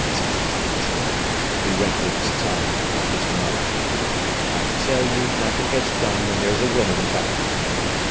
"T t t t!" he went with his tongue, like his mother. "I tell you, nothing gets done when there's a woman about."